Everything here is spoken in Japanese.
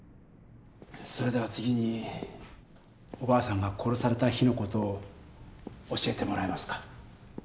それでは次におばあさんが殺された日の事を教えてもらえますか？